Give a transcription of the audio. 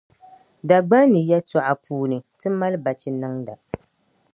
Dagbani yɛltͻɣa puuni, ti mali bachiniŋda .